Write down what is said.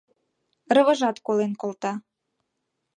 Рывыжат колен колта.